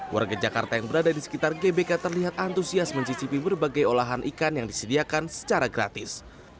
warga jakarta yang berada di sekitar gbk terlihat antusias mencicipi berbagai olahan ikan yang disediakan secara gratis